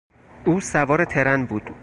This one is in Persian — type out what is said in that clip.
او سوار ترن بود.